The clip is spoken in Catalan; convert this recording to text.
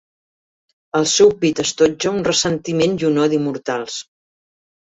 El seu pit estotja un ressentiment i un odi mortals.